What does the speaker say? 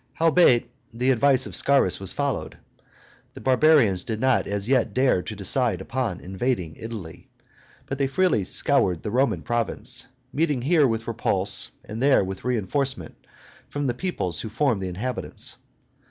Howbeit the advice of Scaurus was followed. The barbarians did not as yet dare to decide upon invading Italy; but they freely scoured the Roman province, meeting here with repulse, and there with re enforcement from the peoplets who formed the inhabitants.